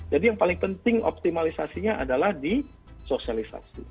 yang paling penting optimalisasinya adalah di sosialisasi